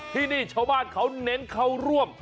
ที่นี่ชาวบ้านเขาเน้นเข้าร่วม